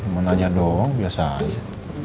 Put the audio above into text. mau nanya doang biasa aja